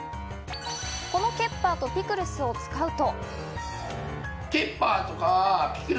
このケッパーとピクルスを使うと。